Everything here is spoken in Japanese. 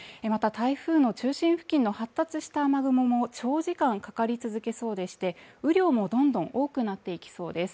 台風の中心付近の発達した雨雲も長時間かかり続けそうでして雨量もどんどん多くなっていきそうです